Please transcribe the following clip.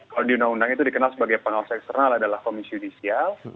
kalau di undang undang itu dikenal sebagai pengawas eksternal adalah komisi judisial